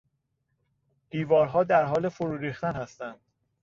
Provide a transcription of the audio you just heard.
دیوارها در حال فرو ریختن هستند.